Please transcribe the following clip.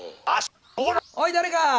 おい誰か！